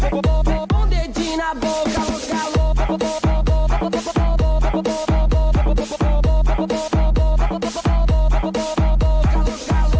โปรดติดตามตอนต่อไป